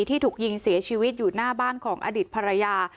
ที่ถูกยิงเสียชีวิตอยู่หน้าบ้านของอดีตภรรยา